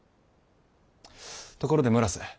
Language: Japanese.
ところで村瀬